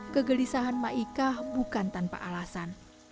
kegelisahan ma icah bukan tanpa alasan